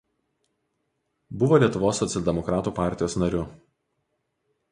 Buvo Lietuvos socialdemokratų partijos nariu.